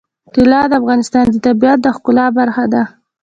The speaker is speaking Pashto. طلا د افغانستان د طبیعت د ښکلا برخه ده.